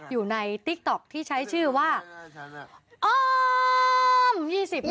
อยู่ในติ๊กต๊อกที่ใช้ชื่อว่าออมมม